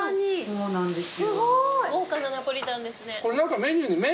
そうなんですよ。